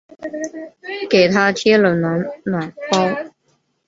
给她贴了暖暖包